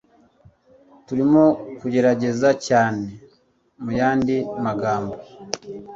Turimo kugerageza cyane muyandi magambo